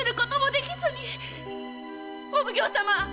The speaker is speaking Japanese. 〔お奉行様！